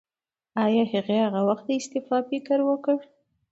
ایا هغې هغه وخت د استعفا فکر وکړ؟